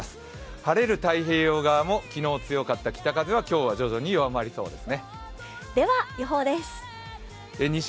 晴れる太平洋側も昨日、強かった北風も今日は徐々に弱まりそうですね。